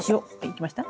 いきました？